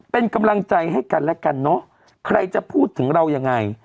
เป็นกำลังใจให้กันและกันเนอะใครจะพูดถึงเรายังไง